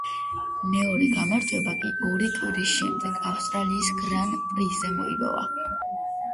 მეორე გამარჯვება კი ორი კვირის შემდეგ, ავსტრალიის გრან-პრიზე მოიპოვა.